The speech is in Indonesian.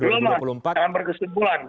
belum mas dalam berkesimpulan